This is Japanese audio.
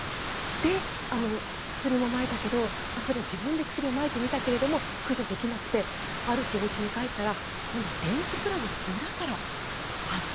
で、薬もまいたけどそれは自分で薬をまいてみたけれど駆除できなくてある日、おうちに帰ったら今度は電気プラグの裏から発生。